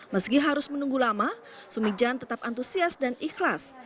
meski harus menunggu lama sumijan tetap antusias dan ikhlas